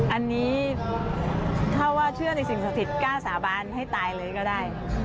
อันนี้ถ้าว่าเชื่อในสิ่งศักดิ์สิทธิ์กล้าสาบานให้ตายเลยก็ได้